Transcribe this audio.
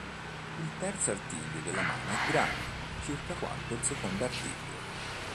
Il terzo artiglio della mano è grande circa quanto il secondo artiglio.